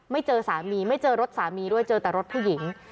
ไม่เจอสามีไม่เจอรถสามีด้วยเจอแต่รถผู้หญิง